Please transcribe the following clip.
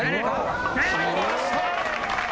入りました！